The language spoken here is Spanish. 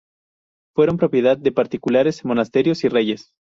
Fueron propiedad de particulares, monasterios y reyes.